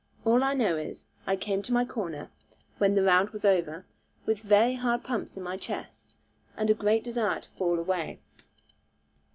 All I know is, I came to my corner, when the round was over, with very hard pumps in my chest, and a great desire to fall away.